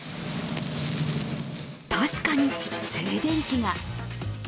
確かに、静電気が。